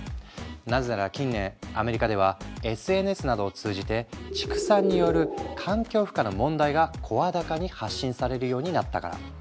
なぜなら近年アメリカではＳＮＳなどを通じて畜産による環境負荷の問題が声高に発信されるようになったから。